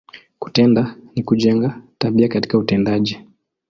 Kutenda, ni kujenga, tabia katika utendaji.